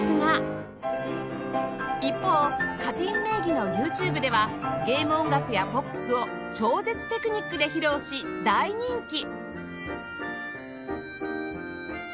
一方 Ｃａｔｅｅｎ 名義の ＹｏｕＴｕｂｅ ではゲーム音楽やポップスを超絶テクニックで披露し大人気！